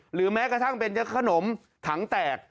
หรือแม้กระทั่งเป็นขนมถังแตก